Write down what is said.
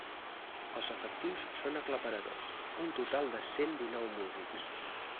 Els efectius són aclaparadors: un total de cent dinou músics.